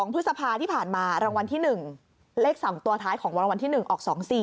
พฤษภาที่ผ่านมารางวัลที่๑เลข๓ตัวท้ายของรางวัลที่๑ออก๒๔